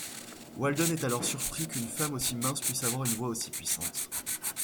Walden est alors surpris qu'une femme aussi mince puisse avoir une voix aussi puissante.